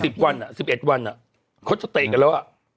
อีก๑๐วัน๑๑วันเขาจะเตะกันแล้ว